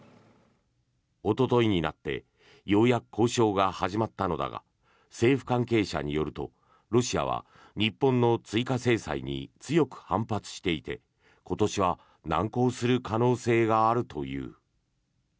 おとといになってようやく交渉が始まったのだが政府関係者によるとロシアは日本の追加制裁に強く反発していて、今年は難航する可能性があるという。